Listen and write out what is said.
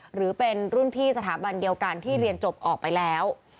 หรือเป็นรุ่นพี่สถาบันเดียวกันที่เรียนจบออกไปแล้ว